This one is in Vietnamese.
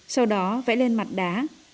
sau đó vẽ lên mặt đá